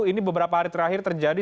ini beberapa hari terakhir terjadi